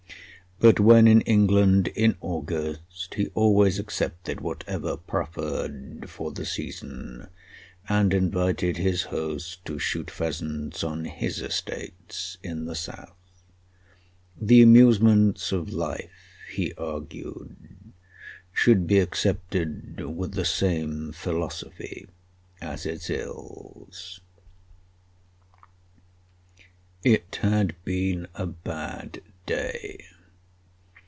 But when in England in August he always accepted whatever proffered for the season, and invited his host to shoot pheasants on his estates in the South. The amusements of life, he argued, should be accepted with the same philosophy as its ills. It had been a bad day.